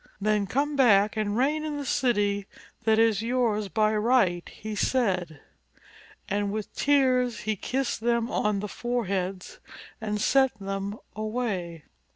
"Then come back and reign in the city that is yours by right," he said. And with tears he kissed them on the fore heads and sent them away.